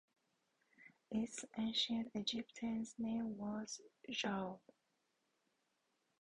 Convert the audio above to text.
Its Ancient Egyptian name was Zau.